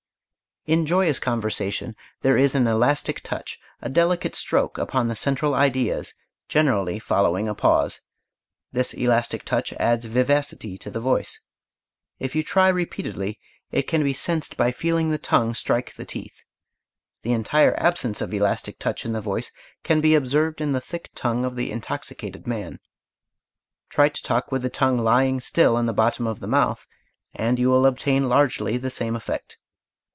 In joyous conversation there is an elastic touch, a delicate stroke, upon the central ideas, generally following a pause. This elastic touch adds vivacity to the voice. If you try repeatedly, it can be sensed by feeling the tongue strike the teeth. The entire absence of elastic touch in the voice can be observed in the thick tongue of the intoxicated man. Try to talk with the tongue lying still in the bottom of the mouth, and you will obtain largely the same effect.